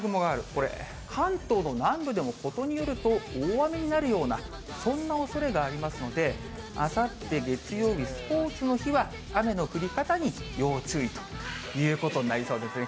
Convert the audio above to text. これ、関東の南部でもことによると、大雨になるようなそんなおそれがありますので、あさって月曜日、スポーツの日は、雨の降り方に要注意ということになりそうですね。